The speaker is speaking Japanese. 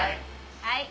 はい。